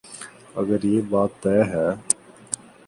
اگر یہ بات طے ہے۔